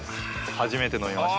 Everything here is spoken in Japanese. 初めて飲みました。